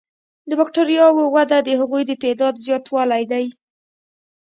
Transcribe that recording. د بکټریاوو وده د هغوی د تعداد زیاتوالی دی.